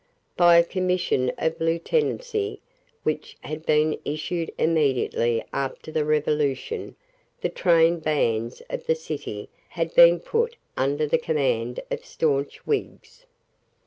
By a Commission of Lieutenancy which had been issued immediately after the Revolution, the train bands of the City had been put under the command of staunch Whigs.